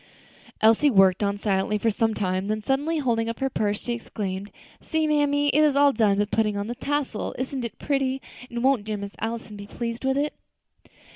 Elsie worked on silently for some time, then suddenly holding up her purse, she exclaimed, "See, mammy, it is all done but putting on the tassel! Isn't it pretty? and won't dear Miss Allison be pleased with it?"